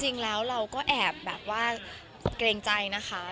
จริงแล้วเราก็แอบแบบว่าเกรงใจนะคะ